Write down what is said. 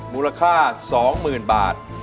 มูลค่าสองหมื่นบาท